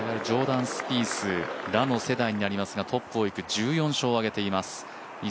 ジョーダン・スピースらの世代になりますがトップをいく１４勝を挙げています。